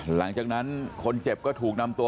หลังจากนั้นคนเจ็บก็ถูกนำตัว